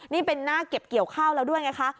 นี่เป็นหน้าเก็บเกี่ยวข้าวแล้วด้วยไงคะ